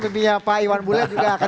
mimpinya pak iwan bule